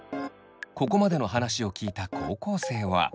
ここまでの話を聞いた高校生は。